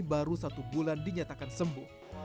baru satu bulan dinyatakan sembuh